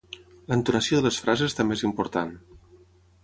L'entonació de les frases també és important